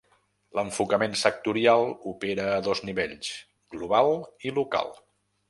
L'enfocament sectorial opera a dos nivells: global i local.